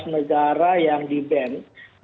sembilan belas negara yang di banned